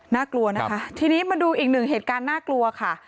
น่ากลัวนะคะทีนี้มาดูอีกหนึ่งเหตุการณ์น่ากลัวค่ะ